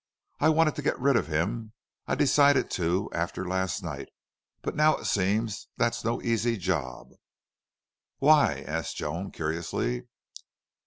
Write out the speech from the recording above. I wanted to get rid of him. I decided to after last night. But now it seems that's no easy job." "Why?" asked Joan, curiously.